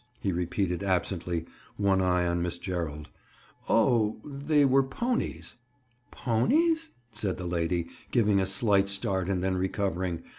he repeated absently, one eye on Miss Gerald. "Oh, they were 'ponies.'" "'Ponies,'" said the lady giving a slight start and then recovering.